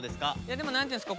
でも何て言うんですか。